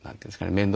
面倒